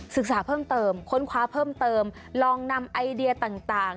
ศึกษาเพิ่มเติมค้นคว้าเพิ่มเติมลองนำไอเดียต่าง